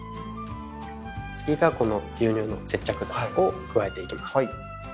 続いてはこの牛乳の接着剤を加えていきます。